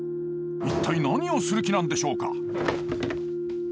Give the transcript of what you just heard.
一体何をする気なんでしょうか？